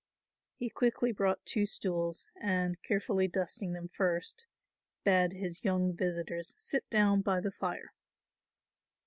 He quickly brought two stools and, carefully dusting them first, bade his young visitors sit down by the fire.